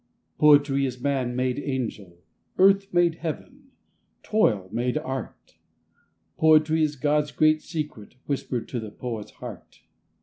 "Poetry is man made angel, Earth made heaven, toil made art; Poetry is God's great secret Whispered to the poet's heart."